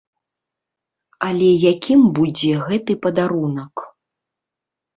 Але якім будзе гэты падарунак?